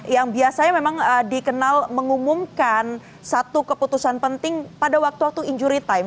yang biasanya memang dikenal mengumumkan satu keputusan penting pada waktu waktu injury time